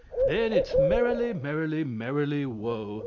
3 "_Then it's merrily, merrily, merrily, whoa!